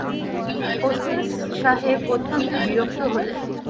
ওসমান সাহেব অত্যন্ত বিরক্ত হলেন।